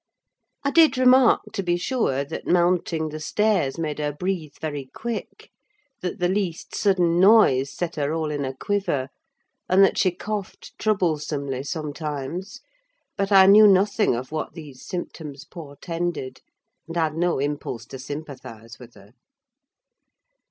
I did remark, to be sure, that mounting the stairs made her breathe very quick; that the least sudden noise set her all in a quiver, and that she coughed troublesomely sometimes: but I knew nothing of what these symptoms portended, and had no impulse to sympathise with her.